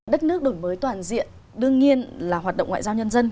đất nước đổi mới toàn diện đương nhiên là hoạt động ngoại giao nhân dân